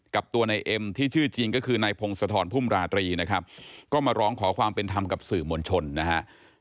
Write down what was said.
กับตัวนายเอ็มที่ชื่อจริงก็คือนายพงศธรพุ่มราตรีนะครับก็มาร้องขอความเป็นธรรมกับสื่อมวลชนนะฮะ